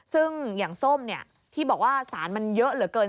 ซึ่งอย่างส้มที่บอกว่าสารมันเยอะเหลือเกิน